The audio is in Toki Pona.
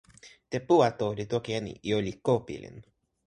te "puwa" to li toki e ni: ijo li ko pilin.